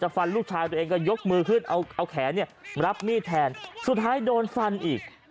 ฟันลูกชายตัวเองก็ยกมือขึ้นเอาแขนรับมีดแทนสุดท้ายโดนฟันอีก